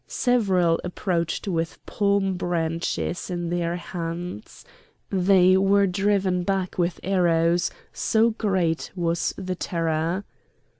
Several approached with palm branches in their hands. They were driven back with arrows, so great was the terror.